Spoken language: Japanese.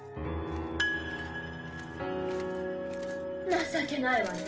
情けないわね